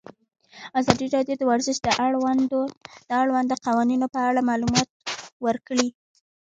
ازادي راډیو د ورزش د اړونده قوانینو په اړه معلومات ورکړي.